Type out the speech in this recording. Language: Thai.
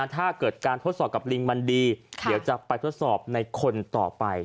ถ้าเกิดการทดสอบกับลิงมันดีเดี๋ยวจะไปทดสอบในคนต่อไป